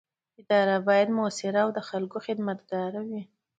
اداره باید مؤثره او د خلکو خدمتګاره وي.